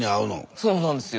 そうなんですよ。